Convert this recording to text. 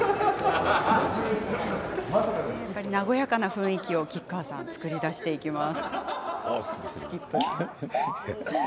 和やかな雰囲気を吉川さんが作り出していきます。